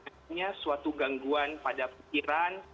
adanya suatu gangguan pada pikiran